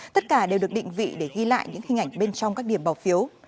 tất cả đều được định vị để ghi lại những hình ảnh bên trong các điểm bỏ phiếu